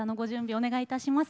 お願いします。